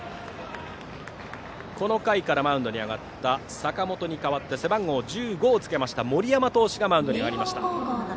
この回からマウンドに上がった坂本に代わって背番号１５をつけた森山投手がマウンドに上がりました。